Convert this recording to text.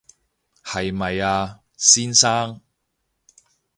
係咪啊，先生